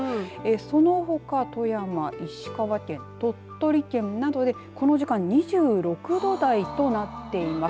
そのほか富山、石川県鳥取県などでこの時間２６度台となっています。